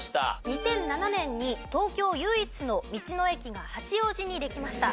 ２００７年に東京唯一の道の駅が八王子にできました。